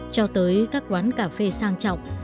cho tới các quán cà phê sang trọng